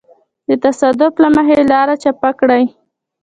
د تصادف له مخې لاره چپ کړي.